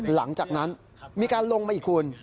หลังจากนั้นมีการลงมาอีกคุณ